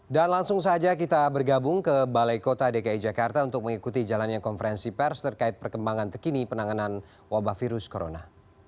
dan langsung saja kita bergabung ke balai kota dki jakarta untuk mengikuti jalannya konferensi pers terkait perkembangan tekini penanganan wabah virus corona